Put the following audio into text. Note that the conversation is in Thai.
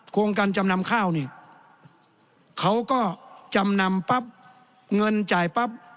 โครงการจำนำข้าวนี่เขาก็จำนำปั๊บเงินจ่ายปั๊บ